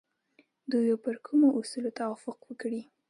دوی به پر کومو اصولو توافق وکړي؟